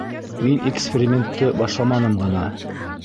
Мин экспериментты башламаным ғына.